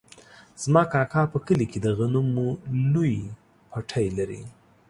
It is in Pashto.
زما کاکا په کلي کې د غنمو لوی پټی لري.